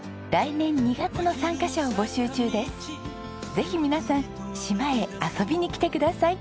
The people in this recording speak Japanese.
ぜひ皆さん島へ遊びに来てください。